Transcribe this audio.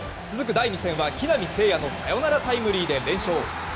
第２戦は木浪聖也のサヨナラタイムリーで連勝。